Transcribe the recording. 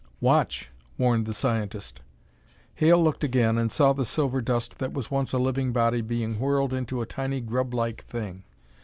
"Watch!" warned the scientist. Hale looked again and saw the silver dust that was once a living body being whirled into a tiny, grublike thing.